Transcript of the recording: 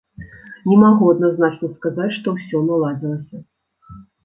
Не магу адназначна сказаць, што ўсё наладзілася.